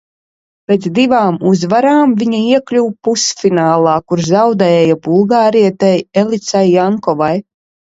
Pēc divām uzvarām viņa iekļuva pusfinālā, kur zaudēja bulgārietei Elicai Jankovai.